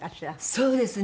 そうですね。